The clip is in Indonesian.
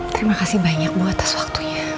terima kasih banyakmu atas waktunya